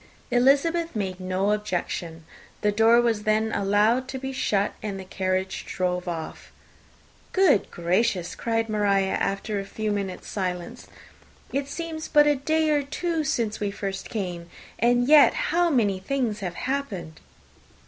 Elizabeth made no objection: the door was then allowed to be shut, and the carriage drove off. "Good gracious!" cried Maria, after a few minutes' silence, "it seems but a day or two since we first came! and yet how many things have happened!"